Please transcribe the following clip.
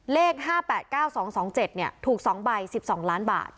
เลขห้าแปดเก้าสองสองเจ็ดเนี่ยถูกสองใบสิบสองล้านบาท